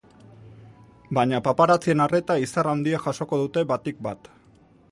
Baina paparazzien arreta izar handiek jasoko dute batik bat.